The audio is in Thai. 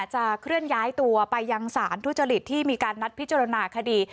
เคลื่อนย้ายตัวไปยังสารทุจริตที่มีการนัดพิจารณาคดี